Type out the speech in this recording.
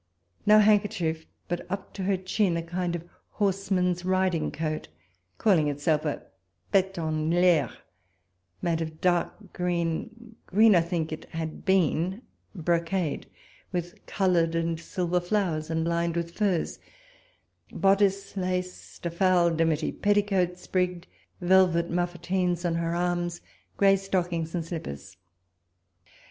No hand kerchief, but up to her chin a kind of horseman's riding coat, calling itself a pet en l'air, made of a dark green (green I think it had been) bro cade, with coloured and silver flowers, and lined with furs ; boddice laced, a foul dimity petticoat sprig'd, velvet muffeteens on her arms, grey stockings and slippers.